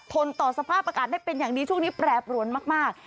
นต่อสภาพอากาศได้เป็นอย่างดีช่วงนี้แปรปรวนมาก